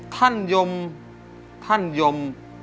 ท่านยม